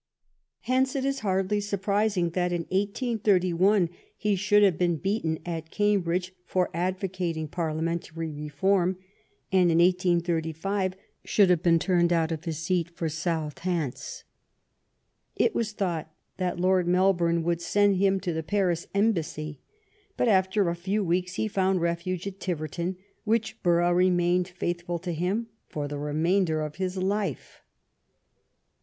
Hence it is hardly surprising that in 1881 he should have been beaten at Cambridge for advocating Parliamentary Beform, and in 1835 should have been turned out of his seat for South Hants. It was thought that Lord Melbourne would send him to the Paris Embassy ; but after a few weeks he found refuge at Tiverton, which borough remained faithful to him for the remainder of his life.